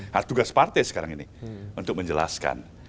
nah tugas partai sekarang ini untuk menjelaskan